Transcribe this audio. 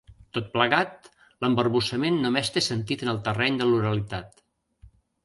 Tot plegat, l'embarbussament només té sentit en el terreny de l'oralitat.